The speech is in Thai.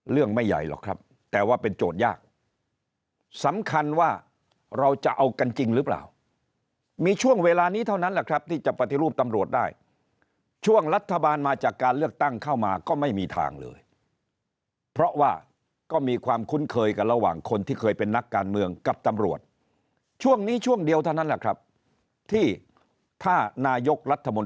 ไม่ใหญ่หรอกครับแต่ว่าเป็นโจทย์ยากสำคัญว่าเราจะเอากันจริงหรือเปล่ามีช่วงเวลานี้เท่านั้นแหละครับที่จะปฏิรูปตำรวจได้ช่วงรัฐบาลมาจากการเลือกตั้งเข้ามาก็ไม่มีทางเลยเพราะว่าก็มีความคุ้นเคยกันระหว่างคนที่เคยเป็นนักการเมืองกับตำรวจช่วงนี้ช่วงเดียวเท่านั้นแหละครับที่ถ้านายกรัฐมนตรี